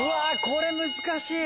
これ難しい。